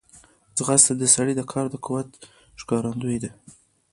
ځغاسته د سړي د کار د قوت ښکارندوی ده